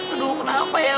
aduh kenapa ya